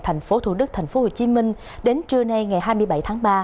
thành phố thủ đức thành phố hồ chí minh đến trưa nay ngày hai mươi bảy tháng ba